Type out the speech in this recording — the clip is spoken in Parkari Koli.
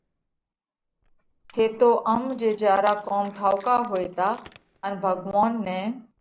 ٿيتو ام جي جيا را ڪرم ٺائُوڪا هوئيتا ان ڀڳوونَ نئہ